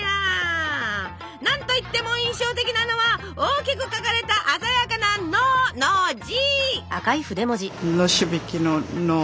何といっても印象的なのは大きく書かれた鮮やかな「の」の字！